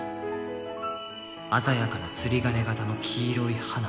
鮮やかな釣り鐘形の黄色い花。